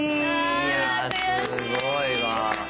いやすごいわ。